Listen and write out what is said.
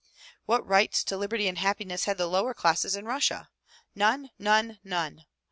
What rights to liberty and happiness had the lower classes in Russia? None! None! None!